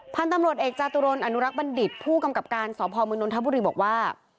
ท่านตำรวจเอกจาตุรนต์อนุรักษ์บัณฑิษฐ์ผู้กำกับการสมนทบุริบอกว่า